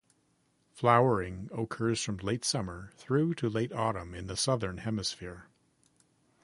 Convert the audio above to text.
Flowering occurs from late summer through to late autumn in the southern hemisphere.